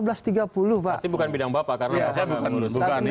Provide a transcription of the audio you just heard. pasti bukan bidang bapak karena saya bukan urusan